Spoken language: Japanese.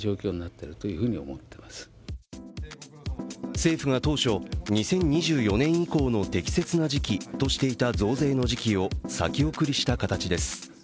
政府が当初、２０２４年以降の適切な時期としていた増税の時期を先送りした形です。